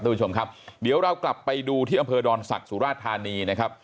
คุณผู้ชมครับเดี๋ยวเรากลับไปดูที่อำเภอดอนศักดิ์สุราชธานีนะครับ